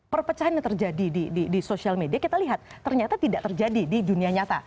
perpecahan yang terjadi di sosial media kita lihat ternyata tidak terjadi di dunia nyata